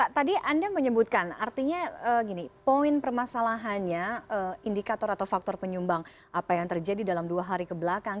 tadi anda menyebutkan artinya gini poin permasalahannya indikator atau faktor penyumbang apa yang terjadi dalam dua hari kebelakang